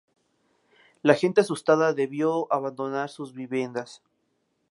La gente asustada debió abandonar sus viviendas.